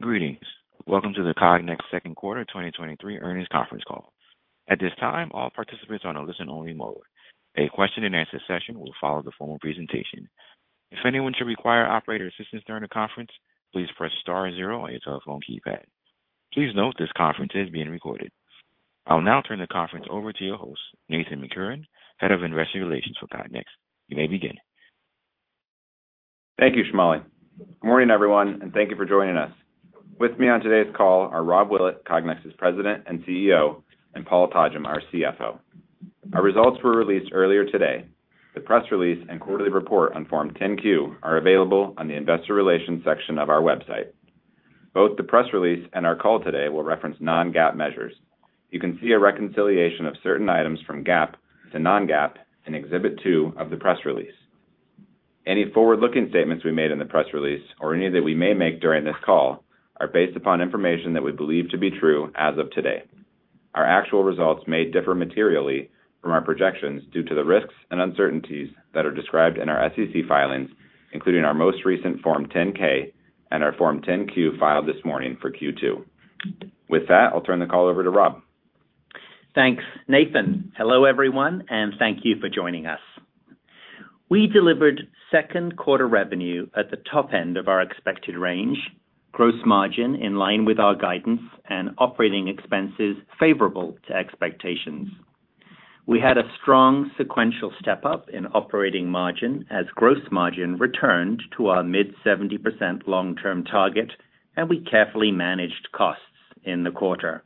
Greetings! Welcome to the Cognex second quarter 2023 earnings conference call. At this time, all participants are on a listen-only mode. A question-and-answer session will follow the formal presentation. If anyone should require operator assistance during the conference, please press star zero on your telephone keypad. Please note, this conference is being recorded. I'll now turn the conference over to your host, Nathan McCurren, Head of Investor Relations for Cognex. You may begin. Thank you, Shamali. Good morning, everyone, thank you for joining us. With me on today's call are Rob Willett, Cognex's President and CEO, and Paul Todgham, our CFO. Our results were released earlier today. The press release and quarterly report on Form 10-Q are available on the Investor Relations section of our website. Both the press release and our call today will reference non-GAAP measures. You can see a reconciliation of certain items from GAAP to non-GAAP in Exhibit 2 of the press release. Any forward-looking statements we made in the press release or any that we may make during this call, are based upon information that we believe to be true as of today. Our actual results may differ materially from our projections due to the risks and uncertainties that are described in our SEC filings, including our most recent Form 10-K and our Form 10-Q filed this morning for Q2. With that, I'll turn the call over to Rob. Thanks, Nathan. Hello, everyone, thank you for joining us. We delivered second quarter revenue at the top end of our expected range, gross margin in line with our guidance and operating expenses favorable to expectations. We had a strong sequential step up in operating margin as gross margin returned to our mid 70% long-term target, we carefully managed costs in the quarter.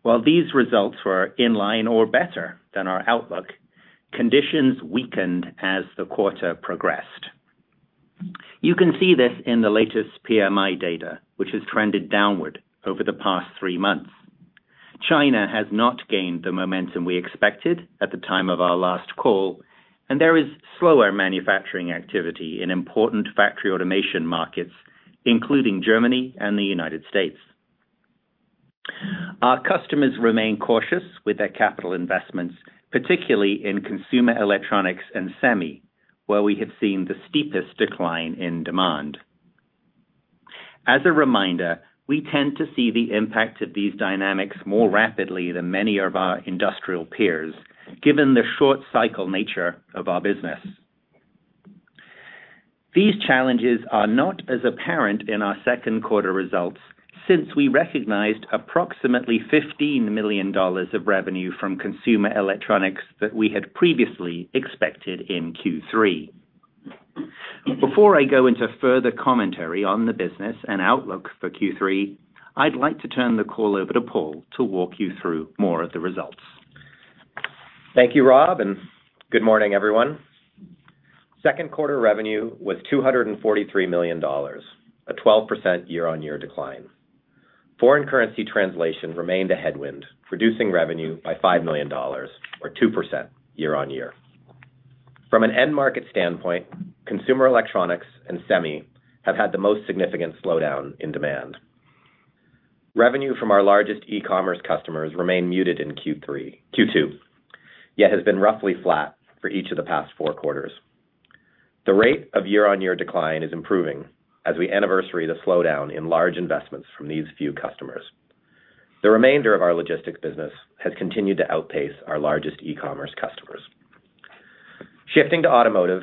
While these results were in line or better than our outlook, conditions weakened as the quarter progressed. You can see this in the latest PMI data, which has trended downward over the past three months. China has not gained the momentum we expected at the time of our last call, there is slower manufacturing activity in important factory automation markets, including Germany and the United States. Our customers remain cautious with their capital investments, particularly in Consumer Electronics and Semi, where we have seen the steepest decline in demand. As a reminder, we tend to see the impact of these dynamics more rapidly than many of our industrial peers, given the short cycle nature of our business. These challenges are not as apparent in our second quarter results, since we recognized approximately $15 million of revenue from Consumer Electronics that we had previously expected in Q3. Before I go into further commentary on the business and outlook for Q3, I'd like to turn the call over to Paul to walk you through more of the results. Thank you, Rob. Good morning, everyone. Second quarter revenue was $243 million, a 12% year-on-year decline. Foreign currency translation remained a headwind, reducing revenue by $5 million, or 2% year-on-year. From an end market standpoint, Consumer Electronics and Semi have had the most significant slowdown in demand. Revenue from our largest e-commerce customers remained muted in Q2, yet has been roughly flat for each of the past four quarters. The rate of year-on-year decline is improving as we anniversary the slowdown in large investments from these few customers. The remainder of our Logistics business has continued to outpace our largest e-commerce customers. Shifting to Automotive,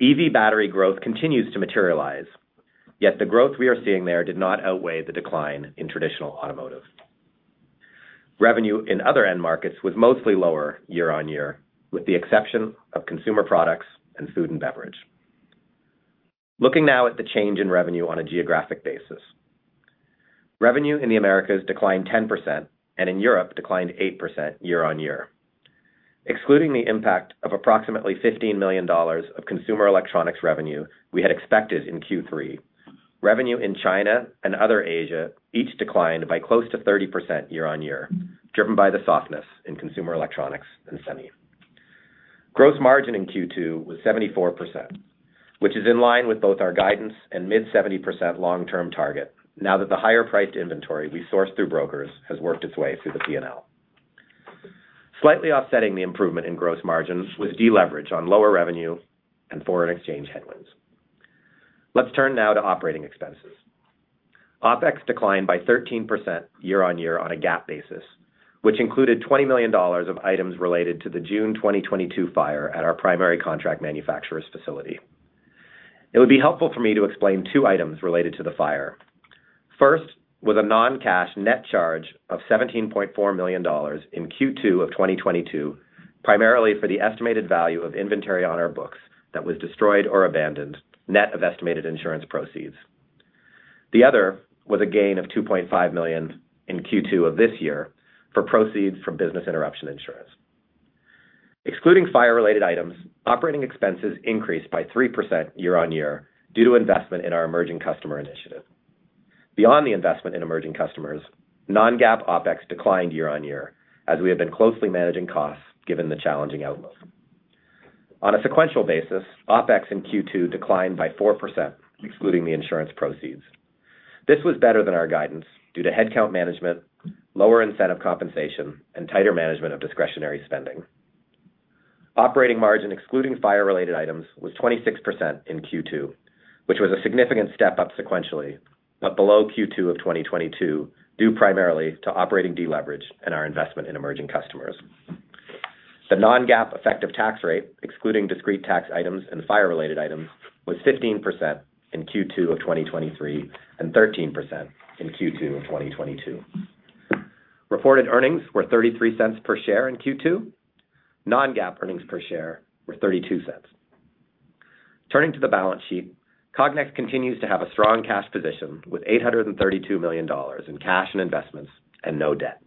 EV battery growth continues to materialize, yet the growth we are seeing there did not outweigh the decline in traditional automotive. Revenue in other end markets was mostly lower year-on-year, with the exception of consumer products and food and beverage. Looking now at the change in revenue on a geographic basis. Revenue in the Americas declined 10% and in Europe declined 8% year-on-year. Excluding the impact of approximately $15 million of Consumer Electronics revenue we had expected in Q3, revenue in China and Other Asia each declined by close to 30% year-on-year, driven by the softness in Consumer Electronics and Semi. Gross margin in Q2 was 74%, which is in line with both our guidance and mid 70% long-term target now that the higher priced inventory we sourced through brokers has worked its way through the P&L. Slightly offsetting the improvement in gross margins was deleverage on lower revenue and foreign exchange headwinds. Let's turn now to operating expenses. OpEx declined by 13% year-on-year on a GAAP basis, which included $20 million of items related to the June 2022 fire at our primary contract manufacturer's facility. It would be helpful for me to explain two items related to the fire. First, was a non-cash net charge of $17.4 million in Q2 of 2022, primarily for the estimated value of inventory on our books that was destroyed or abandoned, net of estimated insurance proceeds. The other was a gain of $2.5 million in Q2 of this year for proceeds from business interruption insurance. Excluding fire-related items, operating expenses increased by 3% year-on-year due to investment in our emerging customer initiative. Beyond the investment in emerging customers, non-GAAP OpEx declined year-on-year as we have been closely managing costs given the challenging outlook. On a sequential basis, OpEx in Q2 declined by 4%, excluding the insurance proceeds. This was better than our guidance due to headcount management, lower incentive compensation, and tighter management of discretionary spending. Operating margin, excluding fire-related items, was 26% in Q2, which was a significant step up sequentially, but below Q2 of 2022, due primarily to operating deleverage and our investment in emerging customers. The non-GAAP effective tax rate, excluding discrete tax items and fire-related items, was 15% in Q2 of 2023 and 13% in Q2 of 2022. Reported earnings were $0.33 per share in Q2. Non-GAAP earnings per share were $0.32. Turning to the balance sheet, Cognex continues to have a strong cash position, with $832 million in cash and investments and no debt.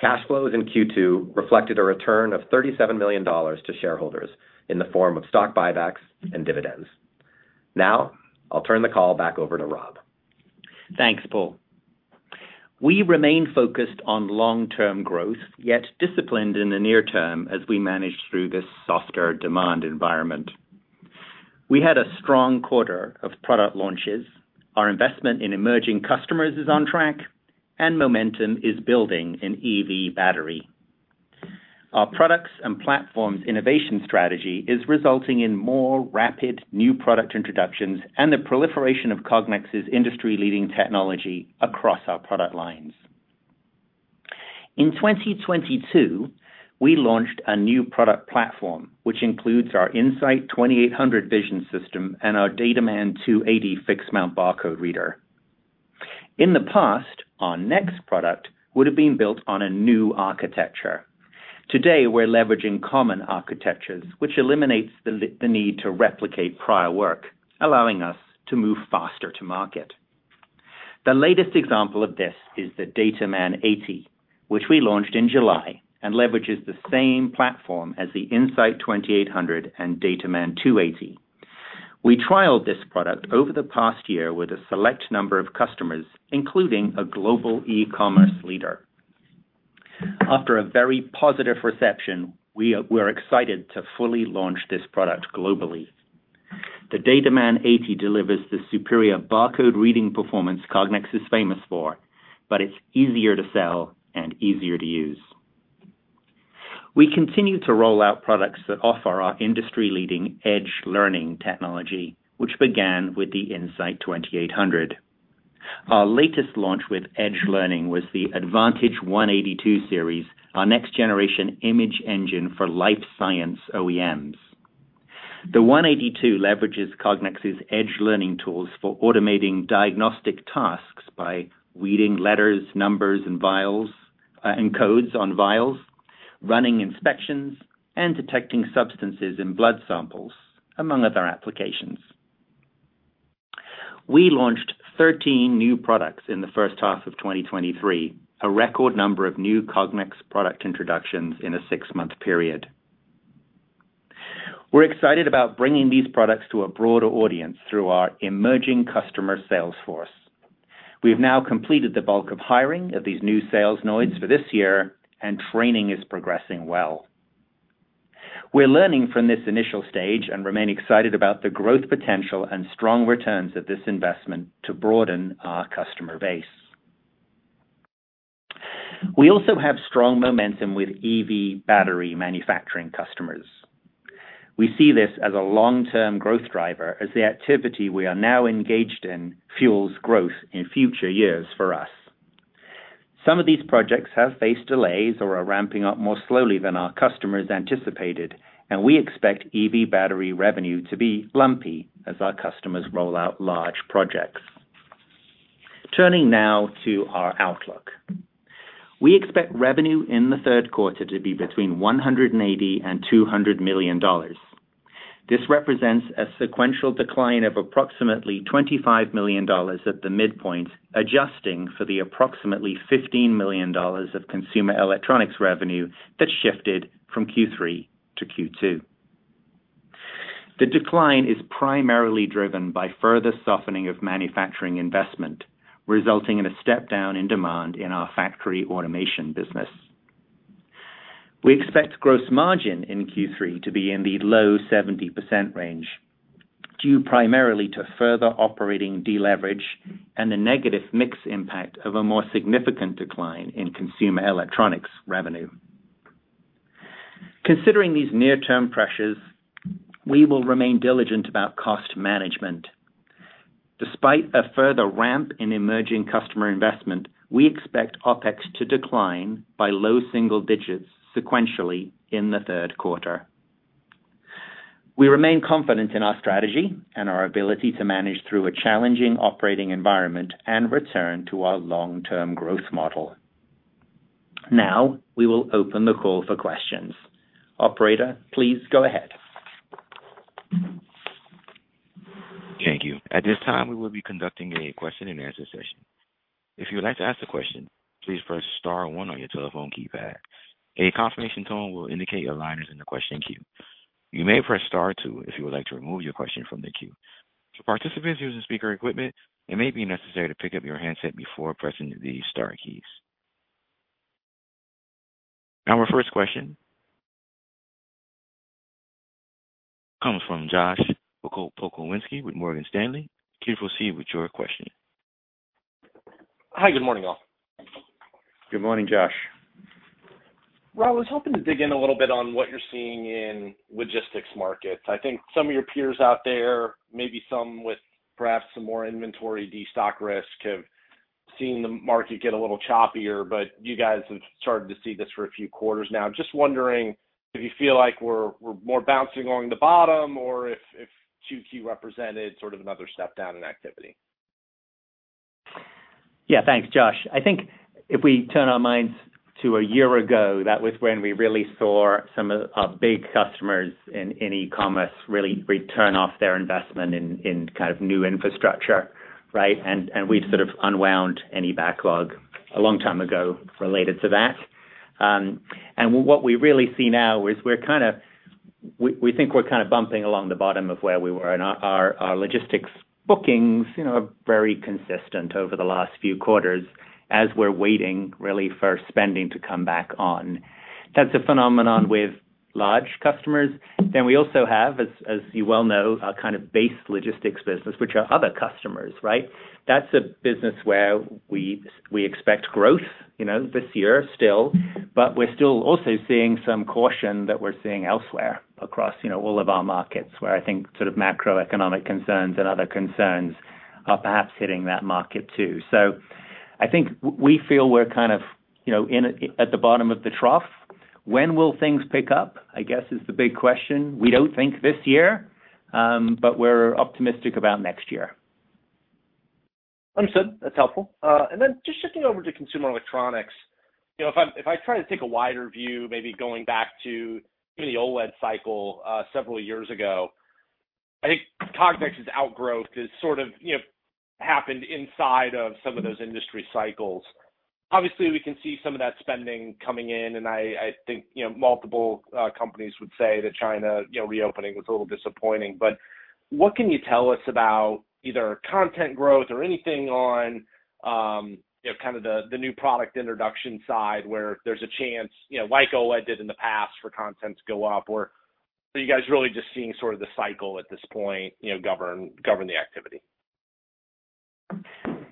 Cash flows in Q2 reflected a return of $37 million to shareholders in the form of stock buybacks and dividends. Now, I'll turn the call back over to Rob. Thanks, Paul. We remain focused on long-term growth, yet disciplined in the near term as we manage through this softer demand environment. We had a strong quarter of product launches. Our investment in emerging customers is on track, and momentum is building in EV battery. Our products and platforms innovation strategy is resulting in more rapid new product introductions and the proliferation of Cognex's industry-leading technology across our product lines. In 2022, we launched a new product platform, which includes our In-Sight 2800 vision system and our DataMan 280 fixed mount barcode reader. In the past, our next product would have been built on a new architecture. Today, we're leveraging common architectures, which eliminates the need to replicate prior work, allowing us to move faster to market. The latest example of this is the DataMan 80, which we launched in July and leverages the same platform as the In-Sight 2800 and DataMan 280. We trialed this product over the past year with a select number of customers, including a global e-commerce leader. After a very positive reception, we're excited to fully launch this product globally. The DataMan 80 delivers the superior barcode reading performance Cognex is famous for. It's easier to sell and easier to use. We continue to roll out products that offer our industry-leading edge learning technology, which began with the In-Sight 2800. Our latest launch with edge learning was the Advantage 182 Series, our next generation image engine for life science OEMs. The 182 leverages Cognex's edge learning tools for automating diagnostic tasks by reading letters, numbers, and vials, and codes on vials, running inspections, and detecting substances in blood samples, among other applications. We launched 13 new products in the first half of 2023, a record number of new Cognex product introductions in a six-month period. We're excited about bringing these products to a broader audience through our emerging customer sales force. We have now completed the bulk of hiring of these new sales nodes for this year, and training is progressing well. We're learning from this initial stage and remain excited about the growth potential and strong returns of this investment to broaden our customer base. We also have strong momentum with EV battery manufacturing customers. We see this as a long-term growth driver, as the activity we are now engaged in fuels growth in future years for us. Some of these projects have faced delays or are ramping up more slowly than our customers anticipated, and we expect EV battery revenue to be lumpy as our customers roll out large projects. Turning now to our outlook. We expect revenue in the third quarter to be between $180 million and $200 million. This represents a sequential decline of approximately $25 million at the midpoint, adjusting for the approximately $15 million of Consumer Electronics revenue that shifted from Q3 to Q2. The decline is primarily driven by further softening of manufacturing investment, resulting in a step down in demand in our factory automation business. We expect gross margin in Q3 to be in the low 70% range, due primarily to further operating deleverage and the negative mix impact of a more significant decline in Consumer Electronics revenue. Considering these near-term pressures, we will remain diligent about cost management. Despite a further ramp in emerging customer investment, we expect OpEx to decline by low single digits sequentially in the third quarter. We remain confident in our strategy and our ability to manage through a challenging operating environment and return to our long-term growth model. We will open the call for questions. Operator, please go ahead. Thank you. At this time, we will be conducting a question-and-answer session. If you would like to ask a question, please press star one on your telephone keypad. A confirmation tone will indicate your line is in the question queue. You may press star two if you would like to remove your question from the queue. To participants using speaker equipment, it may be necessary to pick up your handset before pressing the star keys. Our first question comes from Josh Pokrzywinski with Morgan Stanley. Please proceed with your question. Hi, good morning, all. Good morning, Josh. Well, I was hoping to dig in a little bit on what you're seeing in logistics markets. I think some of your peers out there, maybe some with perhaps some more inventory, destock risk, have seen the market get a little choppier, but you guys have started to see this for a few quarters now. Just wondering if you feel like we're, we're more bouncing along the bottom or if, if Q2 represented sort of another step-down in activity? Yeah. Thanks, Josh. I think if we turn our minds to a year ago, that was when we really saw some of our big customers in e-commerce really return off their investment in kind of new infrastructure, right? We'd sort of unwound any backlog a long time ago related to that. What we really see now is we think we're kind of bumping along the bottom of where we were, and our logistics bookings, you know, are very consistent over the last few quarters as we're waiting really for spending to come back on. That's a phenomenon with large customers. We also have, as you well know, a kind of base logistics business, which are Other customers, right? That's a business where we, we expect growth, you know, this year still, but we're still also seeing some caution that we're seeing elsewhere across, you know, all of our markets, where I think sort of macroeconomic concerns and other concerns are perhaps hitting that market, too. I think we feel we're kind of, you know, in, at the bottom of the trough. When will things pick up, I guess, is the big question? We don't think this year, but we're optimistic about next year. Understood. That's helpful. Then just shifting over to Consumer Electronics. You know, if I, if I try to take a wider view, maybe going back to the OLED cycle, several years ago, I think Cognex's outgrowth is sort of, you know, happened inside of some of those industry cycles. Obviously, we can see some of that spending coming in, and I, I think, you know, multiple companies would say that China, you know, reopening was a little disappointing. What can you tell us about either content growth or anything on, you know, kind of the, the new product introduction side, where there's a chance, you know, like OLED did in the past, for contents go up, or are you guys really just seeing sort of the cycle at this point, you know, govern, govern the activity?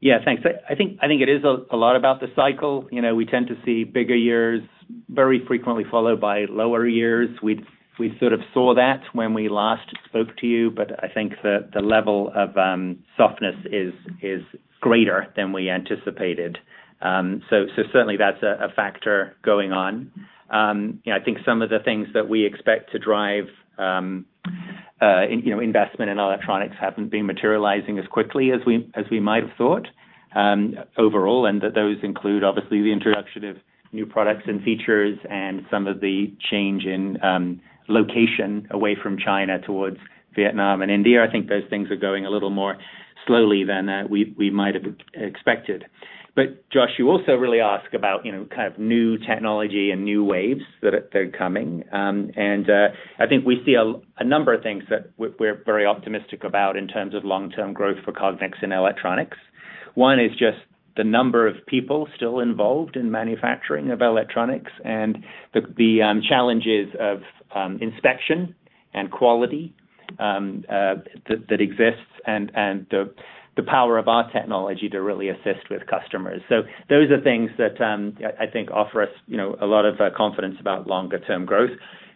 Yeah, thanks. I, I think, I think it is a, a lot about the cycle. You know, we tend to see bigger years very frequently followed by lower years. We, we sort of saw that when we last spoke to you, but I think the, the level of softness is, is greater than we anticipated. Certainly that's a, a factor going on. You know, I think some of the things that we expect to drive, you know, investment in electronics haven't been materializing as quickly as we, as we might have thought, overall, and that those include, obviously, the introduction of new products and features and some of the change in location away from China towards Vietnam and India. I think those things are going a little more slowly than we, we might have expected. Josh, you also really ask about, you know, kind of new technology and new waves that are coming. I think we see a number of things that we're very optimistic about in terms of long-term growth for Cognex in electronics. One is just the number of people still involved in manufacturing of electronics and the challenges of inspection and quality that exists and the power of our technology to really assist with customers. Those are things that I think offer us, you know, a lot of confidence about longer term growth.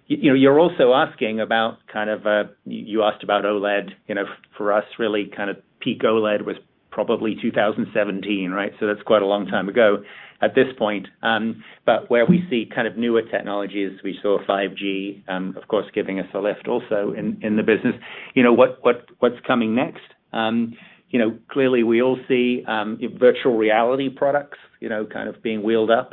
You know, you're also asking about kind of, you asked about OLED. You know, for us, really kind of peak OLED was probably 2017, right? That's quite a long time ago at this point. Where we see kind of newer technologies, we saw 5G, of course, giving us a lift also in, in the business. You know, what, what, what's coming next? You know, clearly we all see, virtual reality products, you know, kind of being wheeled up,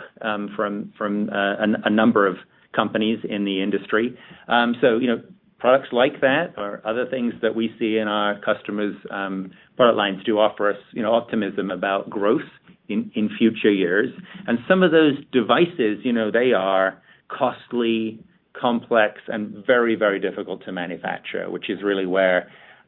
from, from, a, a number of companies in the industry. So, you know, products like that or other things that we see in our customers', product lines do offer us, you know, optimism about growth in, in future years. Some of those devices, you know, they are costly, complex, and very, very difficult to manufacture, which is really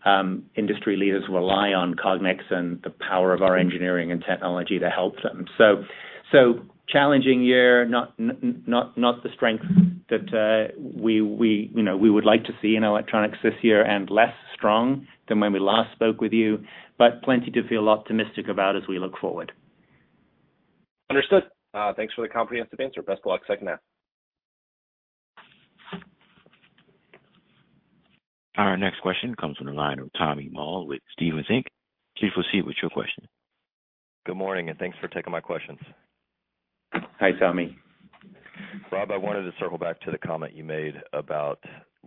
where, industry leaders rely on Cognex and the power of our engineering and technology to help them. So, challenging year, not not the strength that we, we, you know, we would like to see in electronics this year and less strong than when we last spoke with you, plenty to feel optimistic about as we look forward. Understood. Thanks for the comprehensive answer. Best of luck, second half. Our next question comes from the line of Tommy Moll with Stephens Inc. Please proceed with your question. Good morning. Thanks for taking my questions. Hi, Tommy. Rob, I wanted to circle back to the comment you made about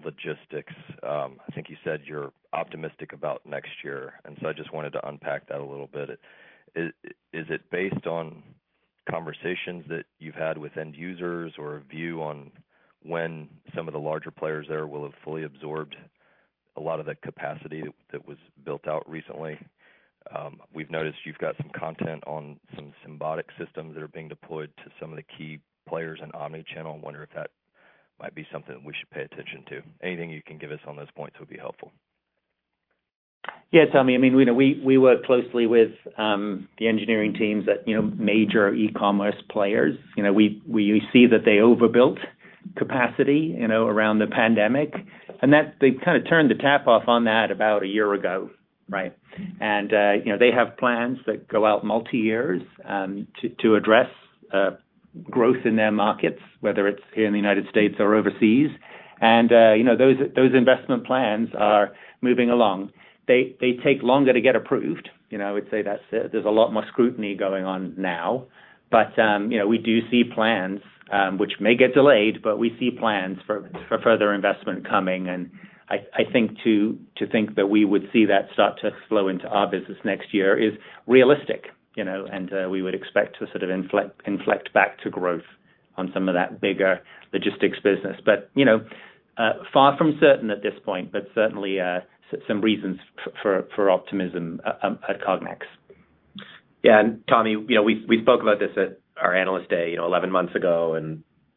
Logistics. I think you said you're optimistic about next year. I just wanted to unpack that a little bit. Is it based on conversations that you've had with end users, or a view on when some of the larger players there will have fully absorbed a lot of the capacity that, that was built out recently? We've noticed you've got some content on some Symbotic systems that are being deployed to some of the key players in omni-channel. I wonder if that might be something we should pay attention to. Anything you can give us on those points would be helpful. Yeah, Tommy, I mean, you know, we, we work closely with, the engineering teams that, you know, major e-commerce players. You know, we, we see that they overbuilt capacity, you know, around the pandemic, and that they kind of turned the tap off on that about a year ago, right? You know, they have plans that go out multi-years to address growth in their markets, whether it's here in the United States or overseas. You know, those, those investment plans are moving along. They, they take longer to get approved. You know, I would say that's, there's a lot more scrutiny going on now. You know, we do see plans, which may get delayed, but we see plans for, for further investment coming. I, I think to, to think that we would see that start to flow into our business next year is realistic, you know, and we would expect to sort of inflect, inflect back to growth on some of that bigger logistics business. But, you know, far from certain at this point, but certainly, some reasons for, for optimism at Cognex. Yeah, Tommy, you know, we, we spoke about this at our Analyst Day, you know, 11 months ago,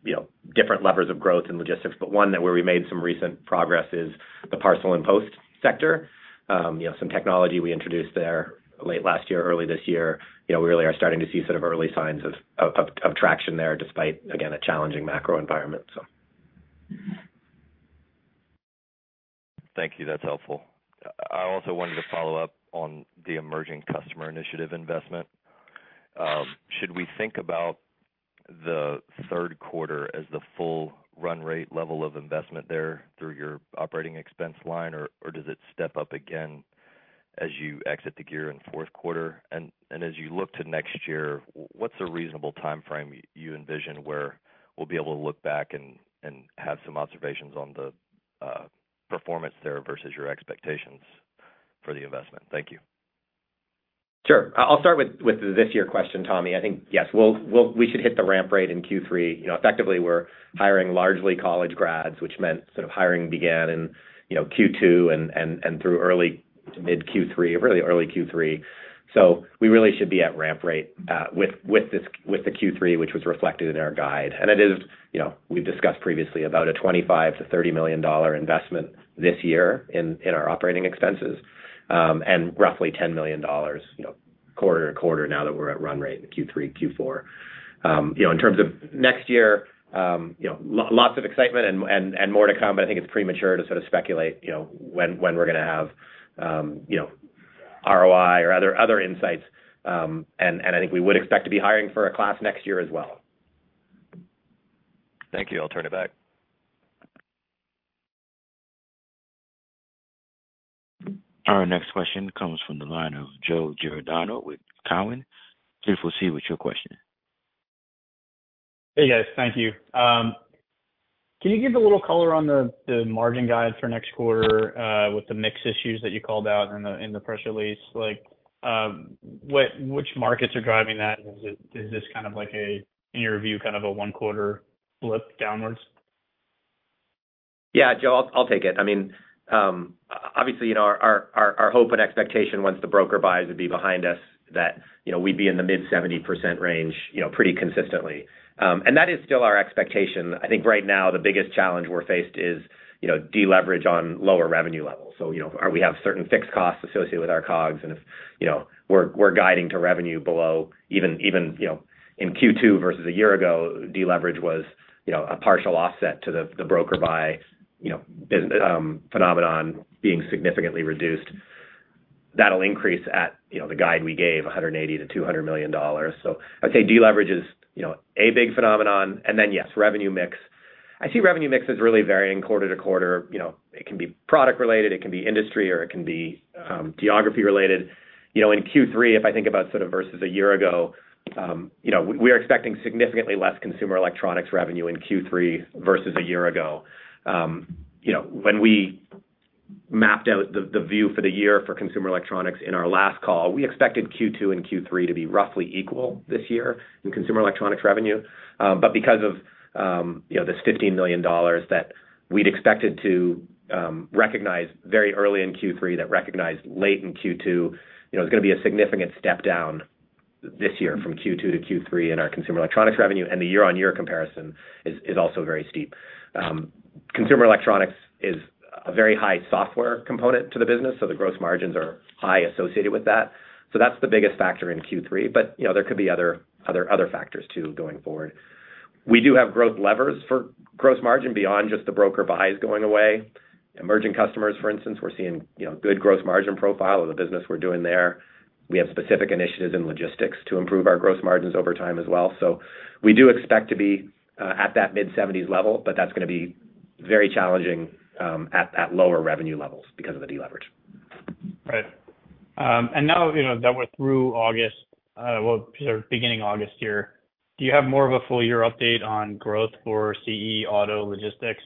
you know, different levers of growth in Logistics, but one that where we made some recent progress is the parcel and post sector. you know, some technology we introduced there late last year, early this year, you know, we really are starting to see sort of early signs of, of, of traction there, despite, again, a challenging macro environment, so. Thank you. That's helpful. I also wanted to follow up on the emerging customer initiative investment. Should we think about the third quarter as the full run rate level of investment there through your operating expense line, or does it step up again as you exit the year in fourth quarter? As you look to next year, what's a reasonable timeframe you envision where we'll be able to look back and have some observations on the performance there versus your expectations for the investment? Thank you. Sure. I'll start with the this year question, Tommy. I think, yes, we'll, we should hit the ramp rate in Q3. You know, effectively, we're hiring largely college grads, which meant sort of hiring began in, you know, Q2 and through early to mid Q3, or really early Q3. We really should be at ramp rate with the Q3, which was reflected in our guide. It is, you know, we've discussed previously about a $25 million-$30 million investment this year in our operating expenses, and roughly $10 million, you know, quarter-to-quarter now that we're at run rate in Q3, Q4. You know, in terms of next year, you know, lots of excitement and, and, and more to come, but I think it's premature to sort of speculate, you know, when, when we're gonna have, you know, ROI or other, other insights. I think we would expect to be hiring for a class next year as well. Thank you. I'll turn it back. Our next question comes from the line of Joe Giordano with Cowen. Please proceed with your question. Hey, guys. Thank you. Can you give a little color on the, the margin guide for next quarter, with the mix issues that you called out in the, in the press release? Like, which markets are driving that? Is it, is this kind of like a, in your view, kind of a one quarter blip downwards? Yeah, Joe, I'll, I'll take it. I mean, obviously, you know, our, our, our hope and expectation once the broker buys would be behind us, that, you know, we'd be in the mid 70% range, you know, pretty consistently. That is still our expectation. I think right now, the biggest challenge we're faced is, you know, deleverage on lower revenue levels. You know, are we have certain fixed costs associated with our COGS, and if, you know, we're, we're guiding to revenue below even, even, you know, in Q2 versus a year ago, deleverage was, you know, a partial offset to the, the broker buy, you know, phenomenon being significantly reduced. That'll increase at, you know, the guide we gave, $180 million-$200 million. I'd say deleverage is, you know, a big phenomenon. Yes, revenue mix. I see revenue mix as really varying quarter-to-quarter. You know, it can be product related, it can be industry, or it can be geography related. You know, in Q3, if I think about sort of versus a year ago, you know, we are expecting significantly less Consumer Electronics revenue in Q3 versus a year ago. You know, when we mapped out the view for the year for Consumer Electronics in our last call, we expected Q2 and Q3 to be roughly equal this year in Consumer Electronics revenue. Because of, you know, this $15 million that we'd expected to recognize very early in Q3, that recognized late in Q2, you know, it's gonna be a significant step down this year from Q2 to Q3 in our Consumer Electronics revenue, and the year-on-year comparison is, is also very steep. Consumer Electronics is a very high-software component to the business, so the gross margins are high associated with that. That's the biggest factor in Q3, but, you know, there could be other, other, other factors too, going forward. We do have growth levers for gross margin beyond just the broker buys going away. Emerging customers, for instance, we're seeing, you know, good gross margin profile of the business we're doing there. We have specific initiatives in logistics to improve our gross margins over time as well. We do expect to be at that mid-70s level, but that's gonna be very challenging at, at lower revenue levels because of the deleverage. Right. Now, you know, that we're through August, well, sort of beginning August here, do you have more of a full year update on growth for CE, Auto, Logistics?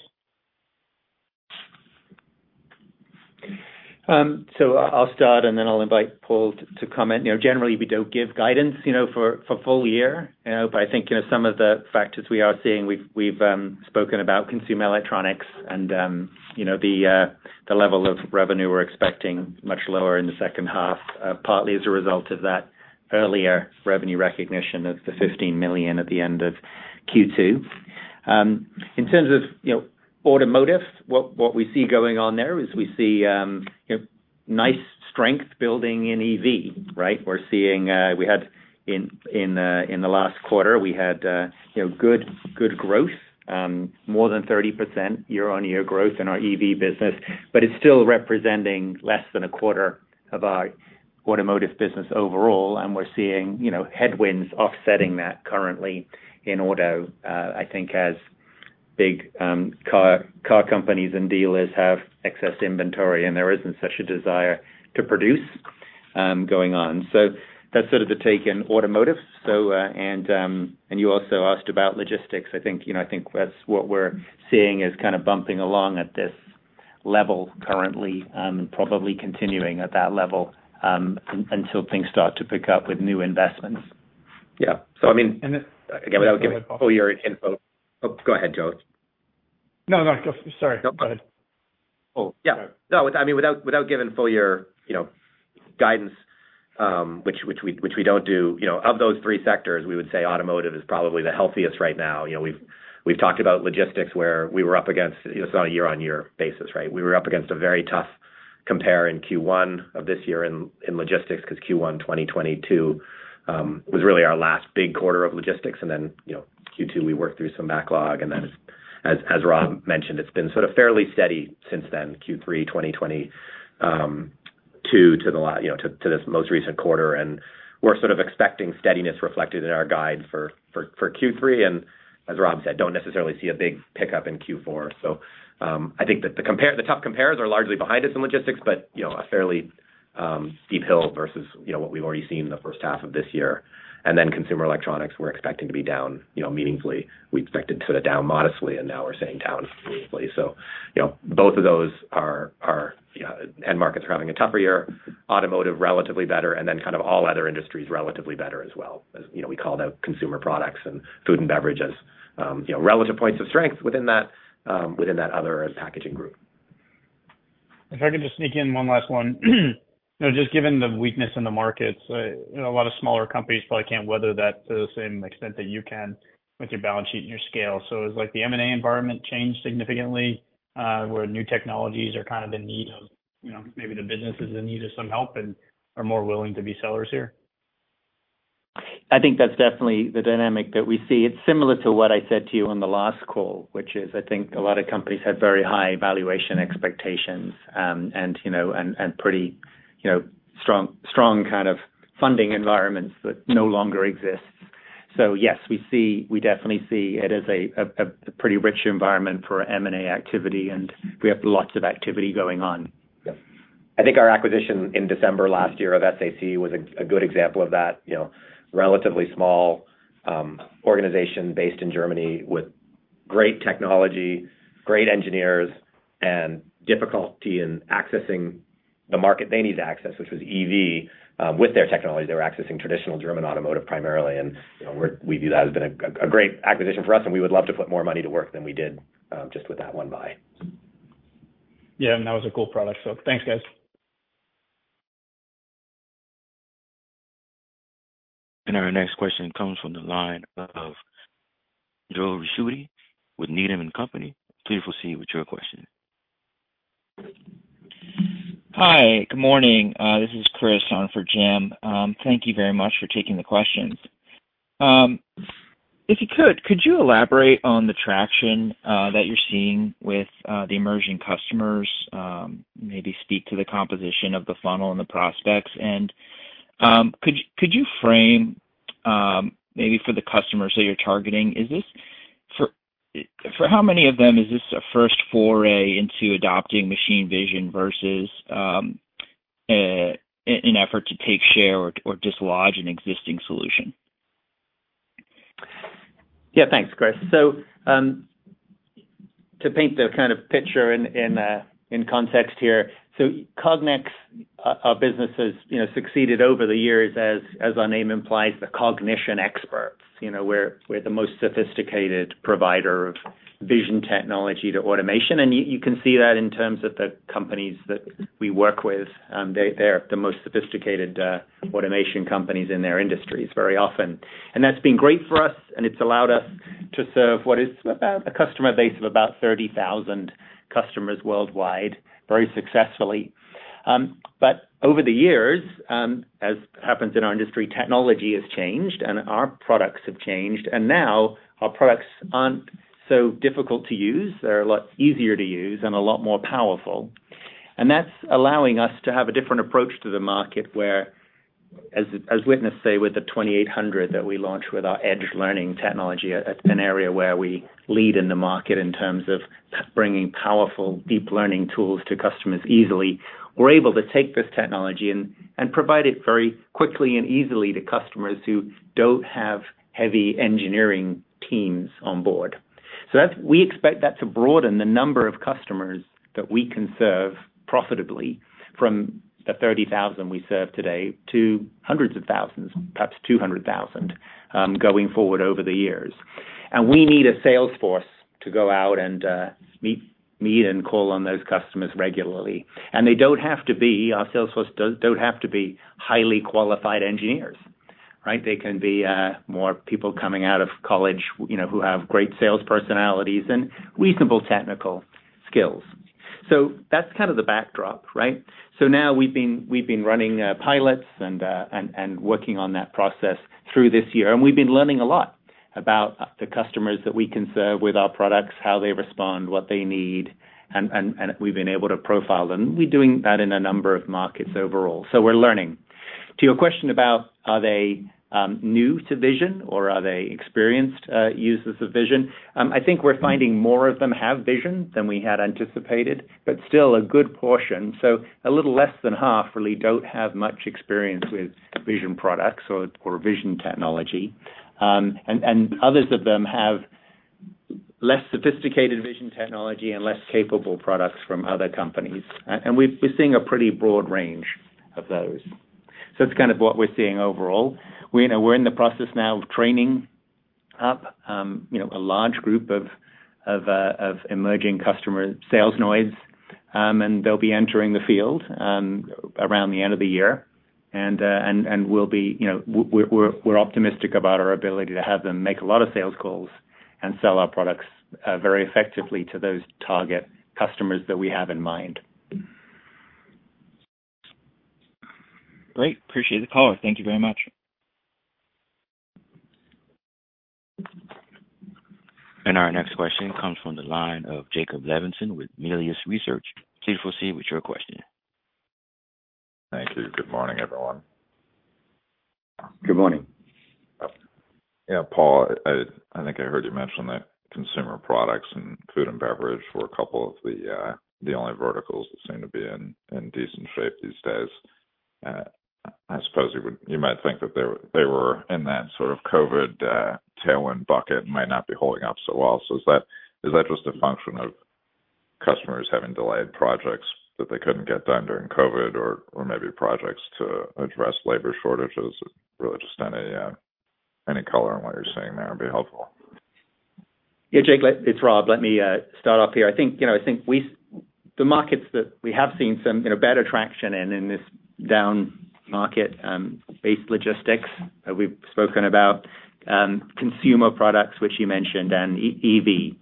I'll start, and then I'll invite Paul to comment. You know, generally, we don't give guidance, you know, for, for full year. I think, you know, some of the factors we are seeing, we've, we've spoken about Consumer Electronics and, you know, the level of revenue we're expecting much lower in the second half, partly as a result of that earlier revenue recognition of the $15 million at the end of Q2. In terms of, you know, Automotive, what, what we see going on there is we see, you know, nice strength building in EV, right? We're seeing, we had, in, in, in the last quarter, we had, you know, good, good growth, more than 30% year-on-year growth in our EV business, but it's still representing less than 25% of our Automotive business overall, and we're seeing, you know, headwinds offsetting that currently in Auto, I think as big car companies and dealers have excess inventory, and there isn't such a desire to produce going on. That's sort of the take in Automotive. You also asked about Logistics. I think, you know, I think that's what we're seeing is kind of bumping along at this level currently, and probably continuing at that level until things start to pick up with new investments. Yeah. I mean, again, without giving full year info—oh, go ahead, Joe. No, no, sorry. Go ahead. Oh, yeah. No, I mean, without, without giving full-year, you know, guidance, which, which we, which we don't do, you know, of those three sectors, we would say Automotive is probably the healthiest right now. You know, we've, we've talked about logistics, where we were up against, it's on a year-on-year basis, right? We were up against a very tough compare in Q1 of this year in, in Logistics, 'cause Q1 2022 was really our last big quarter of Logistics. You know, Q2, we worked through some backlog, and then as, as, as Rob mentioned, it's been sort of fairly steady since then, Q3 2022 to the, you know, to, to this most recent quarter. We're sort of expecting steadiness reflected in our guide for, for, for Q3, and as Rob said, don't necessarily see a big pickup in Q4. I think that the compare—the tough compares are largely behind us in Logistics, but, you know, a fairly steep hill versus, you know, what we've already seen in the first half of this year. Consumer Electronics, we're expecting to be down, you know, meaningfully. We expected sort of down modestly, and now we're saying down meaningfully. You know, both of those are, are end markets are having a tougher year, Automotive, relatively better, and then kind of all other industries, relatively better as well. As, you know, we call out consumer products and food and beverages, you know, relative points of strength within that, within that other packaging group. If I could just sneak in one last one. You know, just given the weakness in the markets, you know, a lot of smaller companies probably can't weather that to the same extent that you can with your balance sheet and your scale. Has, like, the M&A environment changed significantly, where new technologies are kind of in need of, you know, maybe the business is in need of some help and are more willing to be sellers here? I think that's definitely the dynamic that we see. It's similar to what I said to you on the last call, which is, I think a lot of companies had very high valuation expectations, and, you know, and, and pretty, you know, strong, strong kind of funding environments that no longer exists. Yes, we definitely see it as a, a, a pretty rich environment for M&A activity, and we have lots of activity going on. Yeah. I think our acquisition in December last year of SAC was a, a good example of that, you know, relatively small, organization based in Germany with great technology, great engineers, and difficulty in accessing the market they need to access, which was EV. With their technology, they were accessing traditional German automotive primarily, and, you know, we view that as been a, a great acquisition for us, and we would love to put more money to work than we did, just with that one buy. Yeah, that was a cool product, so thanks, guys. Our next question comes from the line of Jim Ricchiuti, with Needham & Company. Please proceed with your question. Hi, good morning. This is Chris on for Jim. Thank you very much for taking the questions. If you could, could you elaborate on the traction that you're seeing with the emerging customers? Maybe speak to the composition of the funnel and the prospects. Could you, could you frame maybe for the customers that you're targeting, is this for how many of them, is this a first foray into adopting machine vision versus an effort to take share or, or dislodge an existing solution? Yeah, thanks, Chris. To paint the kind of picture in, in context here, Cognex, our business has, you know, succeeded over the years as, as our name implies, the cognition experts. You know, we're, we're the most sophisticated provider of vision technology to automation, and you can see that in terms of the companies that we work with. They, they're the most sophisticated automation companies in their industries, very often. That's been great for us, and it's allowed us to serve what is about a customer base of about 30,000 customers worldwide, very successfully. Over the years, as happens in our industry, technology has changed and our products have changed, and now our products aren't so difficult to use. They're a lot easier to use and a lot more powerful. That's allowing us to have a different approach to the market where, as, as witnessed, say, with the 2800 that we launched with our edge learning technology, an area where we lead in the market in terms of bringing powerful, deep learning tools to customers easily. We're able to take this technology and, and provide it very quickly and easily to customers who don't have heavy engineering teams on board. We expect that to broaden the number of customers that we can serve profitably from the 30,000 we serve today, to hundreds of thousands, perhaps 200,000, going forward over the years. We need a sales force to go out and, meet, meet and call on those customers regularly. They don't have to be, our sales force don't have to be highly qualified engineers, right? They can be, more people coming out of college, you know, who have great sales personalities and reasonable technical skills. That's kind of the backdrop, right? Now we've been running, pilots and working on that process through this year, and we've been learning a lot about the customers that we can serve with our products, how they respond, what they need, and we've been able to profile them. We're doing that in a number of markets overall. We're learning. To your question about, are they, new to vision or are they experienced users of vision? I think we're finding more of them have vision than we had anticipated, but still a good portion. A little less than half really don't have much experience with vision products or vision technology. Others of them have less sophisticated vision technology and less capable products from other companies. We're seeing a pretty broad range of those. That's kind of what we're seeing overall. We're, you know, we're in the process now of training up, you know, a large group of, of emerging customer sales noise. They'll be entering the field around the end of the year. We're, you know, we're optimistic about our ability to have them make a lot of sales calls and sell our products very effectively to those target customers that we have in mind. Great. Appreciate the call. Thank you very much. Our next question comes from the line of Jacob Levinson with Melius Research. Please proceed with your question. Thank you. Good morning, everyone. Good morning. Yeah, Paul, I, I think I heard you mention that consumer products and food and beverage were a couple of the only verticals that seem to be in, in decent shape these days. I suppose you might think that they were, they were in that sort of COVID tailwind bucket and might not be holding up so well. Is that, is that just a function of customers having delayed projects that they couldn't get done during COVID, or, or maybe projects to address labor shortages? Really, just any color on what you're seeing there would be helpful. Yeah, Jake, it's Rob. Let me start off here. I think, you know, I think the markets that we have seen some, you know, better traction in, in this down market, based logistics, we've spoken about, consumer products, which you mentioned, and EV.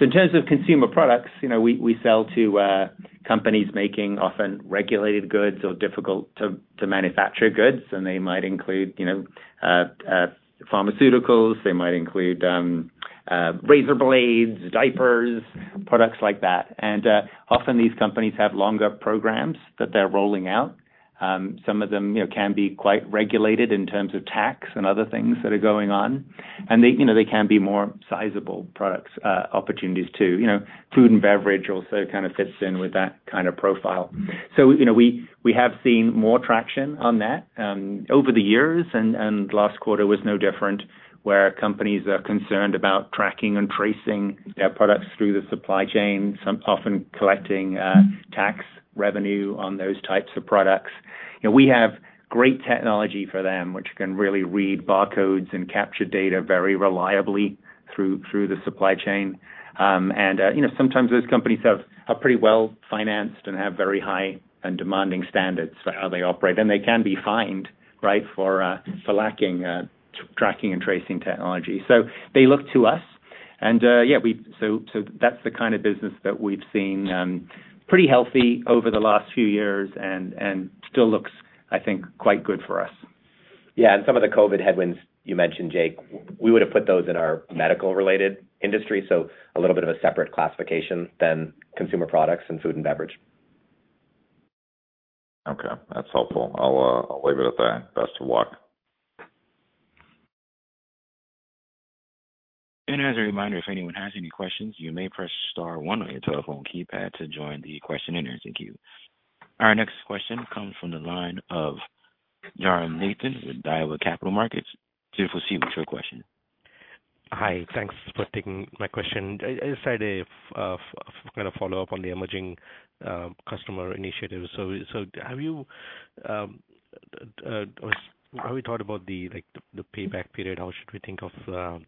In terms of consumer products, you know, we, we sell to companies making often regulated goods or difficult to manufacture goods, and they might include, you know, pharmaceuticals, they might include razor blades, diapers, products like that. Often these companies have longer programs that they're rolling out. Some of them, you know, can be quite regulated in terms of tax and other things that are going on, and they, you know, they can be more sizable products, opportunities too. You know, food and beverage also kind of fits in with that kind of profile. You know, we, we have seen more traction on that over the years, and last quarter was no different, where companies are concerned about tracking and tracing their products through the supply chain, some often collecting tax revenue on those types of products. You know, we have great technology for them, which can really read barcodes and capture data very reliably through, through the supply chain. And, you know, sometimes those companies have, are pretty well financed and have very high and demanding standards for how they operate, and they can be fined, right, for lacking tracking and tracing technology. They look to us. Yeah, so that's the kind of business that we've seen, pretty healthy over the last few years and, and still looks, I think, quite good for us. Yeah, some of the COVID headwinds you mentioned, Jake, we would have put those in our medical-related industry, so a little bit of a separate classification than consumer products and food and beverage. Okay, that's helpful. I'll, I'll leave it at that. Best of luck. As a reminder, if anyone has any questions, you may press star one on your telephone keypad to join the question and answer queue. Our next question comes from the line of Jairam Nathan with Daiwa Capital Markets. Please proceed with your question. Hi. Thanks for taking my question. I, I just had a kind of follow-up on the emerging customer initiative. So have you thought about the, like, the payback period? How should we think of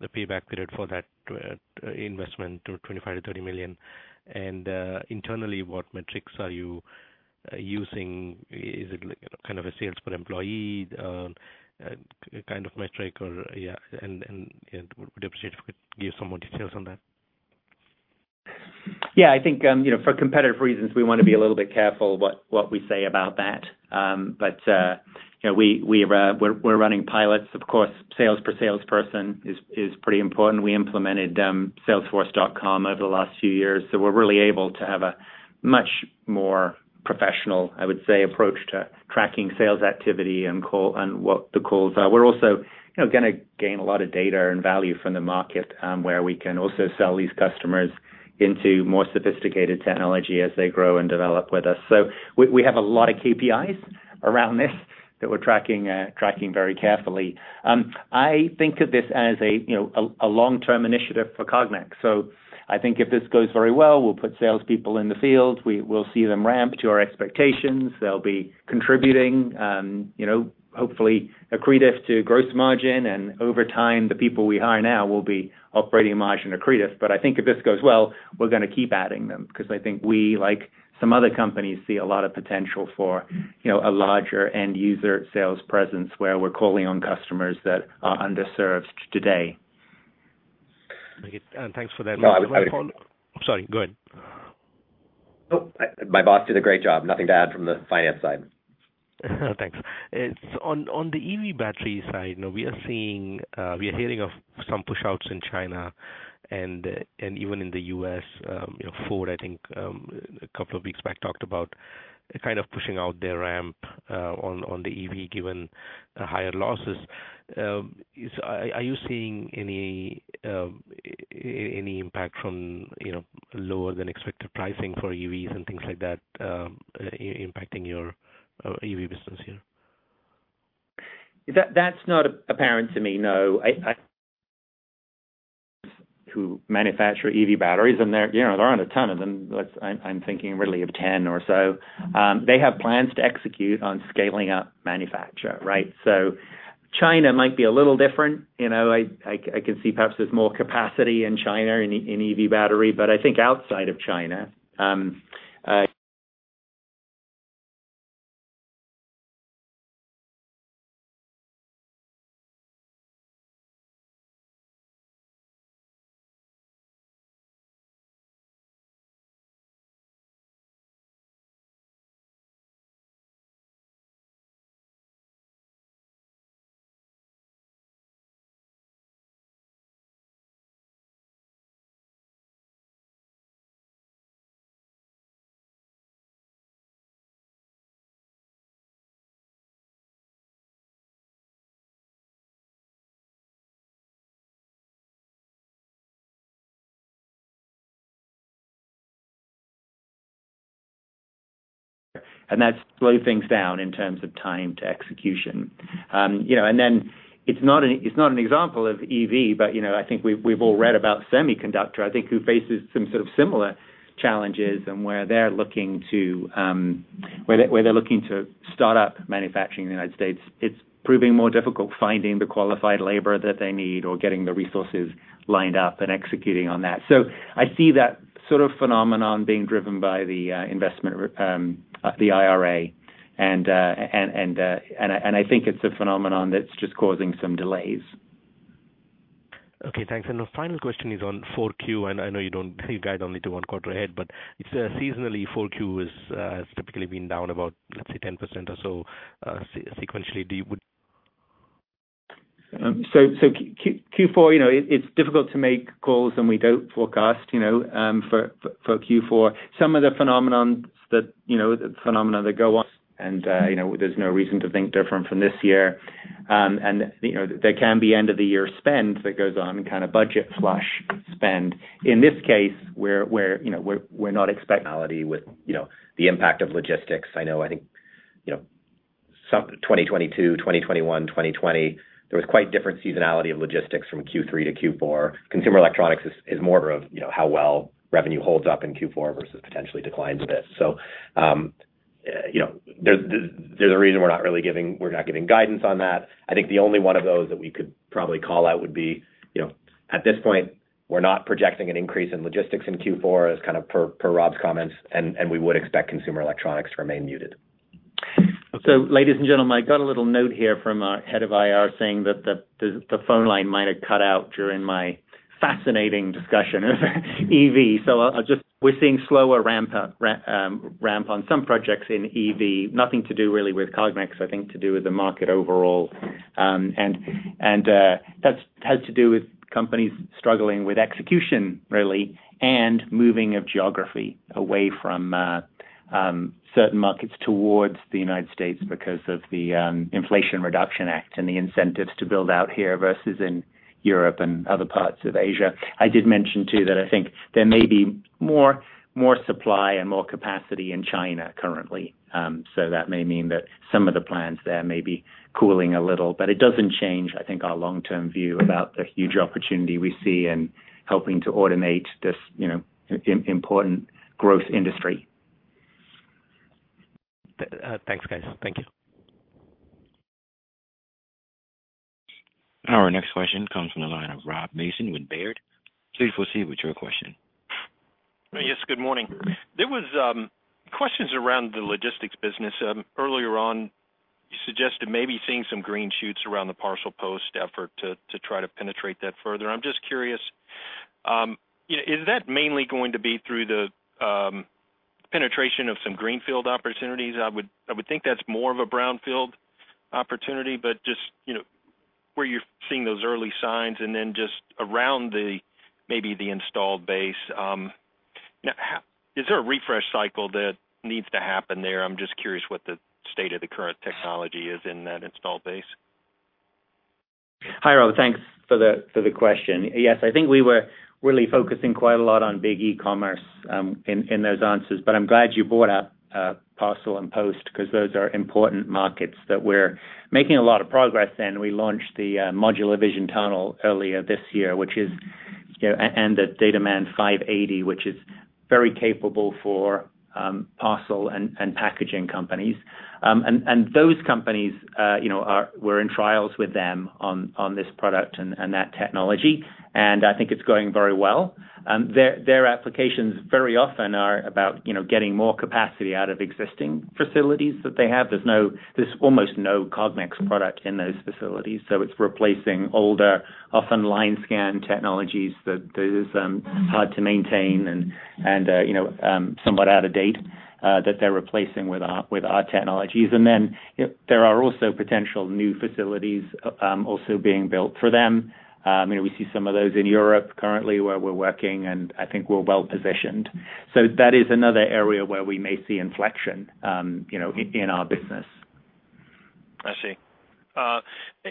the payback period for that investment to $25 million-$30 million? Internally, what metrics are you using? Is it, kind of, a sales per employee, kind of metric or—yeah, and would appreciate if you could give some more details on that. Yeah, I think, you know, for competitive reasons, we want to be a little bit careful what, what we say about that. You know, we, we, we're, we're running pilots. Of course, sales per salesperson is, is pretty important. We implemented Salesforce over the last few years, so we're really able to have a much more professional, I would say, approach to tracking sales activity and call- and what the calls are. We're also, you know, gonna gain a lot of data and value from the market, where we can also sell these customers into more sophisticated technology as they grow and develop with us. We, we have a lot of KPIs around this that we're tracking, tracking very carefully. I think of this as a, you know, a, a long-term initiative for Cognex. I think if this goes very well, we'll put salespeople in the field. We'll see them ramp to our expectations. They'll be contributing, you know, hopefully, accretive to gross margin, and over time, the people we hire now will be operating margin accretive. I think if this goes well, we're gonna keep adding them, because I think we, like some other companies, see a lot of potential for, you know, a larger end user sales presence, where we're calling on customers that are underserved today. Okay, thanks for that. No, I was— I'm sorry, go ahead. Nope, my boss did a great job. Nothing to add from the finance side. Thanks. It's on, on the EV battery side, you know, we are seeing, we are hearing of some push outs in China and, and even in the U.S., you know, Ford, I think, two weeks back, talked about kind of pushing out their ramp, on, on the EV, given higher losses. Are you seeing any, any impact from, you know, lower than expected pricing for EVs and things like that, impacting your, EV business here? That, that's not apparent to me, no. I, I, who manufacture EV batteries, and they're, you know, there aren't a ton of them. Let's—I'm, I'm thinking really of 10 or so. They have plans to execute on scaling up manufacture, right? China might be a little different. You know, I, I, I can see perhaps there's more capacity in China, in, in EV battery, but I think outside of China, and that slow things down in terms of time to execution. You know, and then it's not an, it's not an example of EV, but, you know, I think we've, we've all read about Semiconductor, I think, who faces some sort of similar challenges, and where they're looking to, where they're, where they're looking to start up manufacturing in the United States. It's proving more difficult, finding the qualified labor that they need or getting the resources lined up and executing on that. I see that sort of phenomenon being driven by the investment, the IRA, and, and, and I, and I think it's a phenomenon that's just causing some delays. Okay, thanks. The final question is on 4Q, I know you don't guide only to one quarter ahead, but it's seasonally, 4Q has typically been down about, let's say, 10% or so sequentially. Do you. So, so Q4, you know, it's difficult to make calls, and we don't forecast, you know, for, for, for Q4. Some of the phenomenons that, you know, phenomena that go on, and, you know, there's no reason to think different from this year. And, you know, there can be end-of-the-year spend that goes on and kind of budget flush spend. In this case, we're, we're, you know, we're, we're not expecting reality with, you know, the impact of Logistics. I know, I think, you know, some 2022, 2021, 2020, there was quite different seasonality of Logistics from Q3 to Q4. Consumer Electronics is, is more of, you know, how well revenue holds up in Q4 versus potentially declines a bit. You know, there's, there's, there's a reason we're not really giving we're not giving guidance on that. I think the only one of those that we could probably call out would be, you know, at this point, we're not projecting an increase in logistics in Q4 as kind of per Rob's comments, and we would expect Consumer Electronics to remain muted. Ladies and gentlemen, I got a little note here from our head of IR, saying that the phone line might have cut out during my fascinating discussion on EV. We're seeing slower ramp up, ramp on some projects in EV. Nothing to do really with Cognex, I think to do with the market overall. That's has to do with companies struggling with execution really, and moving of geography away from certain markets towards the United States because of the Inflation Reduction Act and the incentives to build out here versus in Europe and other parts of Asia. I did mention, too, that I think there may be more, more supply and more capacity in China currently. That may mean that some of the plans there may be cooling a little, but it doesn't change, I think, our long-term view about the huge opportunity we see in helping to automate this, you know, important growth industry. Thanks, guys. Thank you. Our next question comes from the line of Rob Mason with Baird. Please proceed with your question. Yes, good morning. There was questions around the Logistics business. Earlier on, you suggested maybe seeing some green shoots around the parcel post effort to, to try to penetrate that further. I'm just curious, you know, is that mainly going to be through the penetration of some greenfield opportunities? I would, I would think that's more of a brownfield opportunity, but just, you know, where you're seeing those early signs, and then just around the, maybe the installed base, now, how—is there a refresh cycle that needs to happen there? I'm just curious what the state of the current technology is in that installed base. Hi, Rob. Thanks for the, for the question. Yes, I think we were really focusing quite a lot on big e-commerce, in, in those answers, but I'm glad you brought up, parcel and post, 'cause those are important markets that we're making a lot of progress in. We launched the, Modular Vision Tunnel earlier this year, which is, you know, and the DataMan 580, which is very capable for, parcel and, and packaging companies. And, and those companies, you know, we're in trials with them on, on this product and, and that technology, and I think it's going very well. Their, their applications very often are about, you know, getting more capacity out of existing facilities that they have. There's almost no Cognex product in those facilities, so it's replacing older, often line-scan technologies that is hard to maintain and, you know, somewhat out of date, that they're replacing with our technologies. Then, there are also potential new facilities, also being built for them. We see some of those in Europe currently, where we're working, and I think we're well positioned. That is another area where we may see inflection, you know, in our business. I see.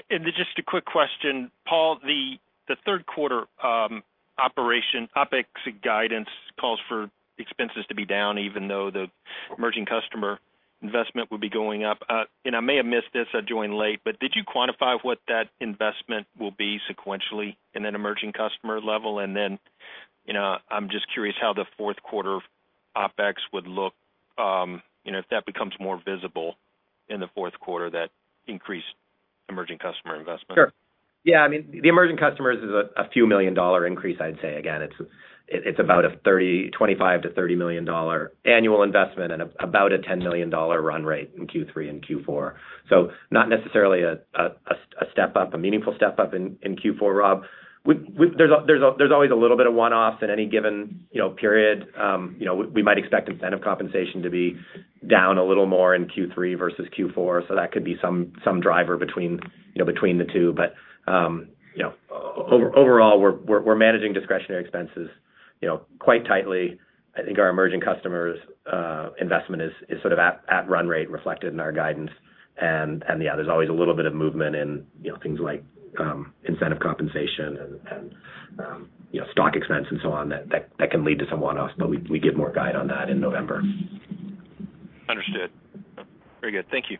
Then just a quick question, Paul. The, the third quarter OpEx guidance calls for expenses to be down, even though the emerging customer investment would be going up. I may have missed this, I joined late, but did you quantify what that investment will be sequentially in an emerging customer level? Then, you know, I'm just curious how the fourth quarter OpEx would look, you know, if that becomes more visible in the fourth quarter, that increased emerging customer investment. Sure. Yeah, I mean, the emerging customers is a, a few million dollar increase, I'd say. Again, it's, it's about a $25 million-$30 million annual investment and about a $10 million run rate in Q3 and Q4. Not necessarily a, a, a step-up, a meaningful step-up in, in Q4, Rob. There's, there's, there's always a little bit of one-offs in any given, you know, period. You know, we might expect incentive compensation to be down a little more in Q3 versus Q4, so that could be some, some driver between, you know, between the two. Overall, we're, we're managing discretionary expenses, you know, quite tightly. I think our emerging customers' investment is, is sort of at, at run rate, reflected in our guidance. Yeah, there's always a little bit of movement in, you know, things like incentive compensation and, and, you know, stock expense and so on, that, that can lead to some one-offs, but we, we give more guide on that in November. Understood. Very good. Thank you.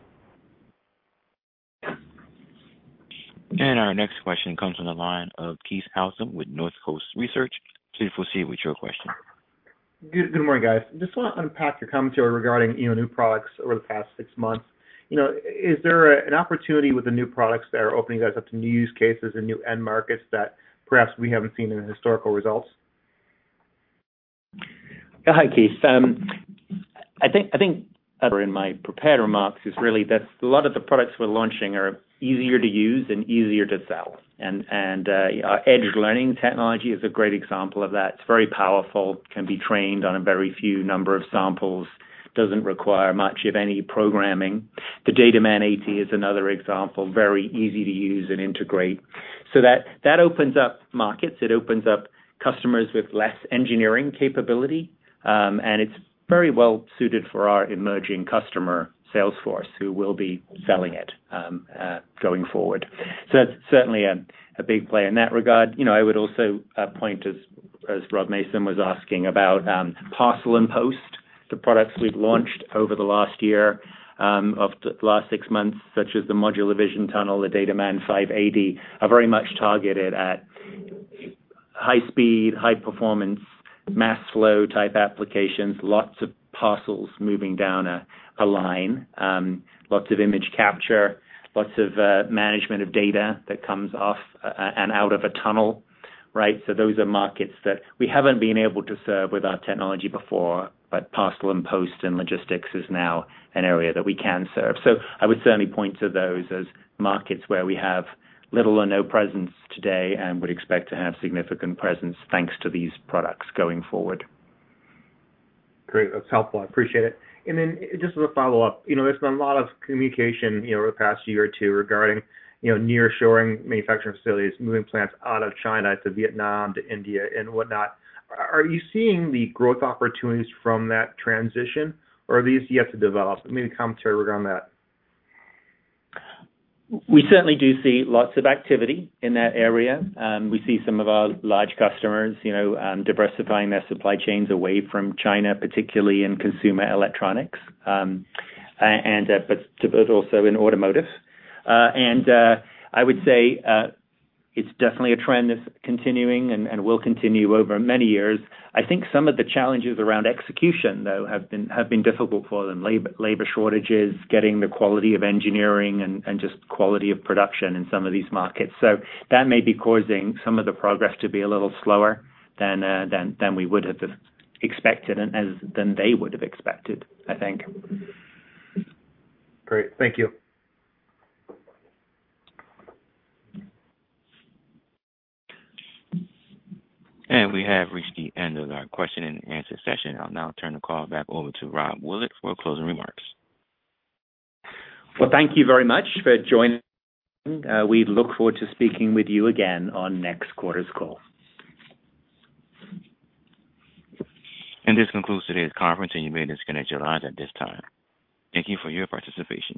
Our next question comes from the line of Keith Housum with Northcoast Research. Please proceed with your question. Good, good morning, guys. Just want to unpack your commentary regarding, you know, new products over the past six months. You know, is there an opportunity with the new products that are opening you guys up to new use cases and new end markets that perhaps we haven't seen in the historical results? Hi, Keith. I think, I think in my prepared remarks, is really that a lot of the products we're launching are easier to use and easier to sell. Our edge learning technology is a great example of that. It's very powerful, can be trained on a very few number of samples, doesn't require much of any programming. The DataMan 80 is another example, very easy to use and integrate. That, that opens up markets. It opens up customers with less engineering capability, and it's very well suited for our emerging customer sales force, who will be selling it going forward. That's certainly a, a big play in that regard. You know, I would also point to, as Rob Mason was asking about, parcel and post, the products we've launched over the last year, of the last six months, such as the Modular Vision Tunnel, the DataMan 580, are very much targeted at high speed, high performance, mass flow type applications, lots of parcels moving down a line, lots of image capture, lots of management of data that comes off and out of a tunnel, right? Those are markets that we haven't been able to serve with our technology before, but parcel and post and logistics is now an area that we can serve. I would certainly point to those as markets where we have little or no presence today and would expect to have significant presence, thanks to these products going forward. Great. That's helpful. I appreciate it. Just as a follow-up, you know, there's been a lot of communication, you know, over the past year or two regarding, you know, nearshoring manufacturing facilities, moving plants out of China to Vietnam, to India and whatnot. Are you seeing the growth opportunities from that transition, or are these yet to develop? Maybe comment here around on that. We certainly do see lots of activity in that area. We see some of our large customers, you know, diversifying their supply chains away from China, particularly in Consumer Electronics, and, but also in Automotive. I would say, it's definitely a trend that's continuing and will continue over many years. I think some of the challenges around execution, though, have been difficult for them. Labor, labor shortages, getting the quality of engineering and just quality of production in some of these markets. That may be causing some of the progress to be a little slower than we would have expected, than they would have expected, I think. Great. Thank you. We have reached the end of our question-and-answer session. I'll now turn the call back over to Rob Willett for closing remarks. Well, thank you very much for joining. We look forward to speaking with you again on next quarter's call. This concludes today's conference, and you may disconnect your lines at this time. Thank you for your participation.